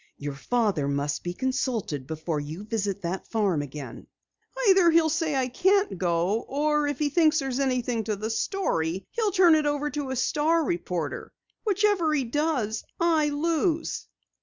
Your father must be consulted before you visit the farm again." "Either he'll say I can't go, or if he thinks there's anything to the story, he'll turn it over to a Star reporter. Whichever he does, I lose."